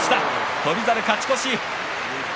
翔猿勝ち越し。